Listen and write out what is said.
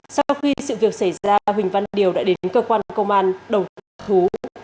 sau khi sự việc xảy ra huỳnh văn điều đã đến cơ quan công an đầu thú